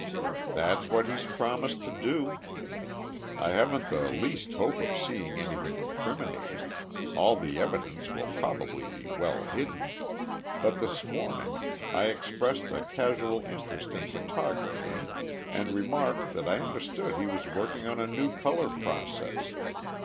"That's what he's promised to do. I haven't the least hope of seeing anything incriminating all the evidence will probably be well hidden but this morning I expressed a casual interest in photography and remarked that I understood he was working on a new color process.